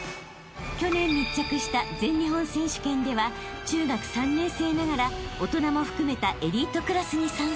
［去年密着した全日本選手権では中学３年生ながら大人も含めたエリートクラスに参戦］